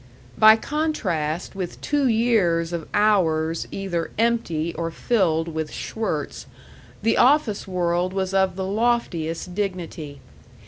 By contrast with two years of hours either empty or filled with Schwirtz, the office world was of the loftiest dignity.